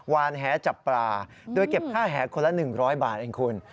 วานแหจับปลาโดยเก็บค่าแหคนละ๑๐๐บาทเองคุณ